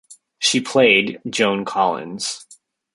She played Joan Collins.